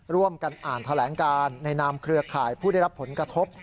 ร่วมกันอ่านแถลงการในนามเครือข่ายผู้ได้รับผลกระทบ